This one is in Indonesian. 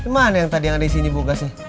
mana yang tadi yang ada disini bukasnya